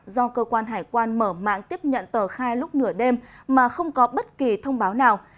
do cơ quan hải quan mở mạng tiếp nhận tờ khai lúc nửa đêm mà không có bất kỳ thông báo nào